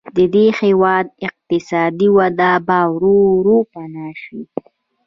د دې هېواد اقتصادي وده به ورو ورو پناه شي.